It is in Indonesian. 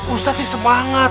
ustadz sih semangat